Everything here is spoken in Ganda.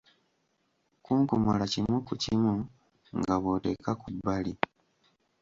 Kunkumula kimu ku kimu nga bw'oteeka ku bbali.